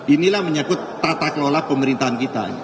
inilah menyakut tata kelola pemerintahan kita